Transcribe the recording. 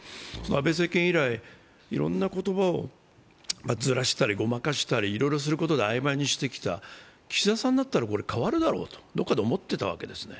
安倍政権以来、いろんな言葉をずらしたりごまかしたりいろいろすることであいまいにしてきた、岸田さんになったらこれが変わるだろうとどこかで思っていたわけですね。